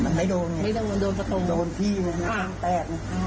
มันไม่โดนไม่ได้โดนโดนสกงโดนพี่อ่าแตะอ่า